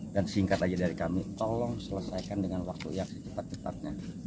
dan singkat aja dari kami tolong selesaikan dengan waktu yang secepat cepatnya